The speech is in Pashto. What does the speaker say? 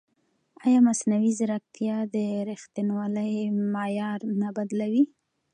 ایا مصنوعي ځیرکتیا د ریښتینولۍ معیار نه بدلوي؟